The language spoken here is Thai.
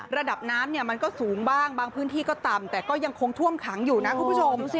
ระดับน้ำมันก็สูงบ้างบางพื้นที่ก็ต่ำแต่ก็ยังคงท่วมขังอยู่นะคุณผู้ชม